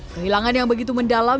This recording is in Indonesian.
kehilangan yang begitu mendalam